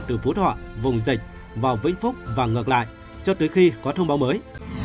từ phú thọ vùng dịch vào vĩnh phúc và ngược lại cho tới khi có thông báo mới